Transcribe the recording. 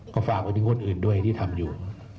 ก็ฝากไปถึงคนอื่นด้วยที่ทำอยู่